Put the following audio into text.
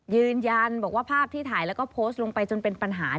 ยืนยันบอกว่าภาพที่ถ่ายแล้วก็โพสต์ลงไปจนเป็นปัญหา